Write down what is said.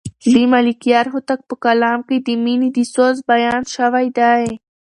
د ملکیار هوتک په کلام کې د مینې د سوز بیان شوی دی.